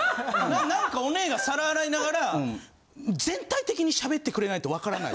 何かオネエが皿洗いながら「全体的に喋ってくれないとわからない」。